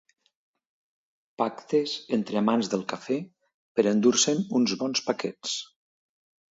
Pactes entre amants del cafè per endur-se'n uns bons paquets.